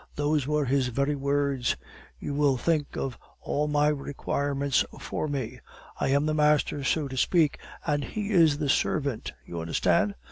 those were his very words. 'You will think of all my requirements for me.' I am the master, so to speak, and he is the servant, you understand?